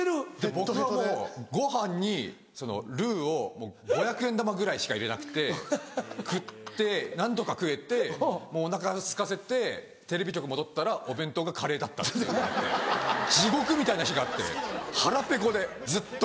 僕はもうご飯にルーを５００円玉ぐらいしか入れなくて食って何とか食えてもうお腹すかせてテレビ局戻ったらお弁当がカレーだったっていう地獄みたいな日があって腹ぺこでずっと。